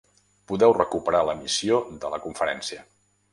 Podeu recuperar l’emissió de la conferència.